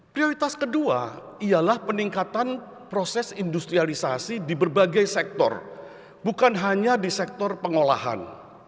prioritas kedua ialah peningkatan proses industrialisasi di berbagai sektor bukan hanya di sektor pengolahan